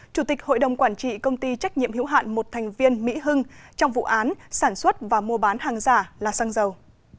chủ tịch hội đồng quản trị công ty trách nhiệm hữu hạn một thành viên mỹ hưng trong vụ án sản xuất và mua bán hàng giả là xăng dầu